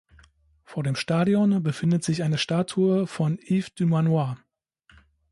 Vor dem Stadion befindet sich eine Statue von Yves du Manoir.